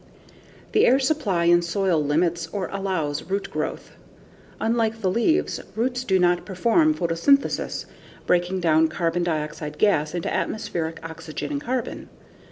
The air supply in soil limits or allows root growth. Unlike the leaves, roots do not perform photosynthesis, breaking down carbon dioxide gas into atmospheric oxygen and carbon.